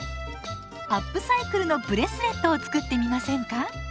アップサイクルのブレスレットを作ってみませんか？